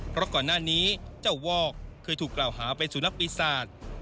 เพราะก่อนหน้านี้เจ้าวอกเคยถูกกล่าวหาเป็นสุนัขปีศาจ